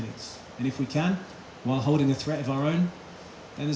maka ada kemungkinan kita dapat sesuatu dari permainan